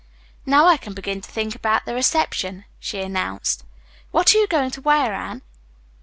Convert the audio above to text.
"Now I can begin to think about the reception," she announced. "What are you going to wear, Anne?"